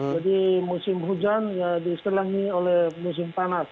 jadi musim hujan diselangi oleh musim panas